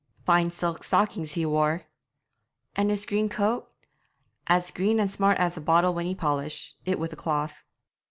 'Fine silk stockings he wore.' 'And his green coat?' 'As green and smart as a bottle when ye polish, it with a cloth.'